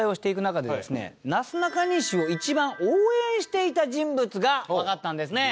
なすなかにしを一番応援していた人物がわかったんですね。